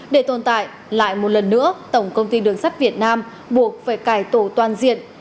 để tồn tại lại một lần nữa tổng công ty đường sắt việt nam buộc phải cải tổ toàn diện